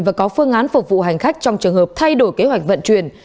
và có phương án phục vụ hành khách trong trường hợp thay đổi kế hoạch vận chuyển